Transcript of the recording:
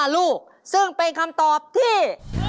ลูกซึ่งเป็นคำตอบที่